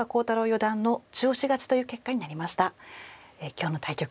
今日の対局